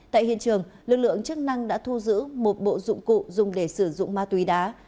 tại hiện trường lực lượng chức năng đã thu giữ một bộ dụng cụ dùng để sử dụng ma túy đá